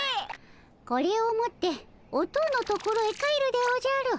これを持っておとおのところへ帰るでおじゃる。